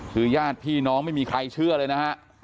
คือญาติพี่น้องไม่มีใครเชื่อเลยนะฮะ